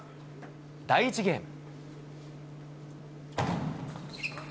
第１ゲーム。